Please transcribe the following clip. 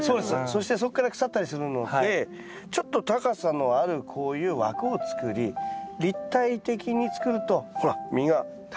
そしてそこから腐ったりするのでちょっと高さのあるこういう枠を作り立体的に作るとほら実が垂れていくんですよ。